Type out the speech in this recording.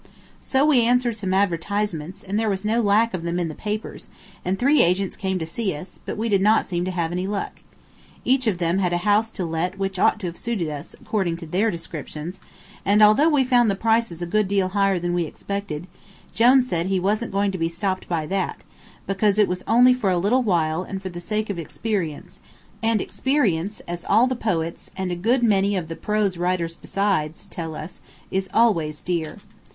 So we answered some advertisements, and there was no lack of them in the papers, and three agents came to see us, but we did not seem to have any luck. Each of them had a house to let which ought to have suited us, according to their descriptions, and although we found the prices a good deal higher than we expected, Jone said he wasn't going to be stopped by that, because it was only for a little while and for the sake of experience and experience, as all the poets, and a good many of the prose writers besides, tell us, is always dear.